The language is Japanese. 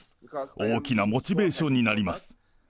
大きなモチベーションになります。